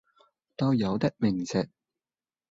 都有啲名氣